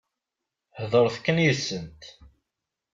Heḍṛet kan yid-sent.